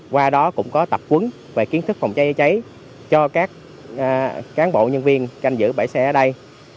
qua đó cũng có tập quấn về kiến thức phòng cháy cháy cho các cán bộ nhân viên canh giữ bãi xe ở đây